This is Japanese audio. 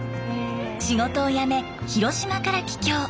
仕事を辞め広島から帰郷。